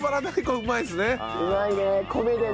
うまいね！